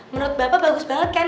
menurut bapak bagus banget kan